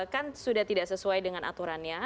kan sudah tidak sesuai dengan aturannya